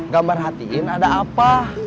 gambar hatiin ada apa